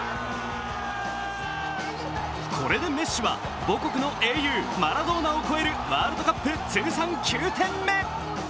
これでメッシは、僕の英雄マラドーナを超える、ワールドカップ通算９点目。